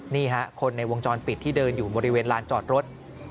นี่ฮะคนในวงจรปิดที่เดินอยู่บริเวณลานจอดรถ